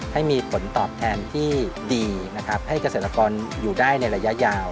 ให้มีผลตอบแทนที่ดีนะครับให้เกษตรกรอยู่ได้ในระยะยาว